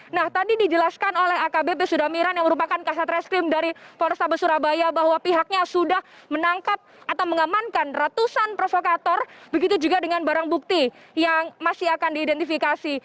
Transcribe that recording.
nah tadi dijelaskan oleh akbp sudamiran yang merupakan kasat reskrim dari polrestabes surabaya bahwa pihaknya sudah menangkap atau mengamankan ratusan provokator begitu juga dengan barang bukti yang masih akan diidentifikasi